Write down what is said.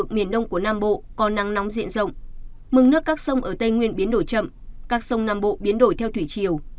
mực nước các sông ở tây nguyên biến đổi chậm các sông nam bộ biến đổi theo thủy chiều